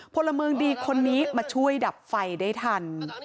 พลเมืองดีคนนี้มาช่วยดับไฟได้ทัน